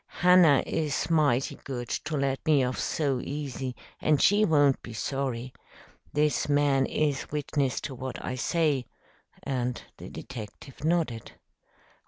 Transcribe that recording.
Hannah is mighty good to let me off so easy, and she won't be sorry. This man is witness to what I say," and the detective nodded.